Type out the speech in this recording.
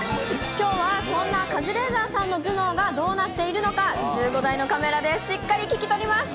きょうはそんなカズレーザーさんの頭脳がどうなっているのか、１５台のカメラでしっかり聞き取ります。